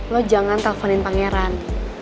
lo jangan telfonin pangeran